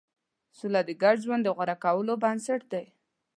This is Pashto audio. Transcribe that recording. سوله د ګډ ژوند د غوره کولو بنسټ دی.